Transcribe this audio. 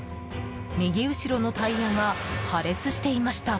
右後ろのタイヤが破裂していました。